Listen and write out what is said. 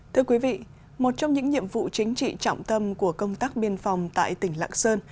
thưa quý vị một trong những nhiệm vụ chính trị trọng tâm của công tác biên phòng tại tỉnh lạng sơn